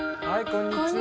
こんにちは。